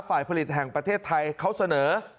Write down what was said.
ฝ่ายผลิตแห่งประเทศไทยเขาเสนอ